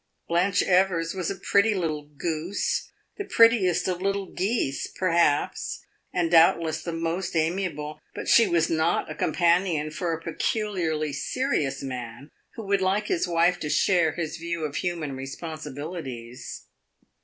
Blanche Evers was a pretty little goose the prettiest of little geese, perhaps, and doubtless the most amiable; but she was not a companion for a peculiarly serious man, who would like his wife to share his view of human responsibilities.